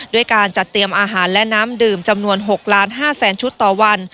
ด้วยการจัดเตรียมอาหารและน้ำดื่มจำนวน๖ล้าน๕แสนชุดต่อวัน